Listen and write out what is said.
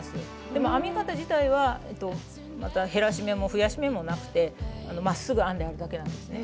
でも編み方自体は減らし目も増やし目もなくてまっすぐ編んであるだけなんですね。